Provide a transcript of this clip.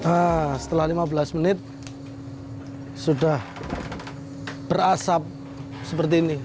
ah setelah lima belas menit sudah berasap seperti ini